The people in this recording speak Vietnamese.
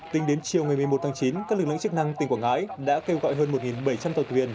tính đến chiều ngày một mươi một tháng chín các lực lượng chức năng tỉnh quảng ngãi đã kêu gọi hơn một bảy trăm linh tàu thuyền